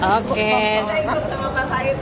maksudnya ikut sama pak said